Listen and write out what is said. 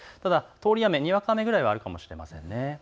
ただ通り雨、にわか雨くらいはあるかもしれません。